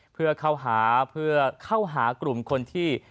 เพื่อเข้าหากลุมคนที่